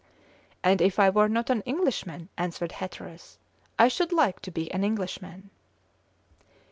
"And if I were not an Englishman," answered Hatteras, "I should like to be an Englishman."